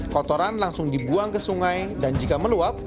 kotoran langsung dibuang ke sungai dan jika meluap